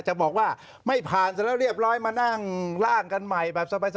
จะบอกว่าไม่ผ่านเสร็จแล้วเรียบร้อยมานั่งร่างกันใหม่แบบสบาย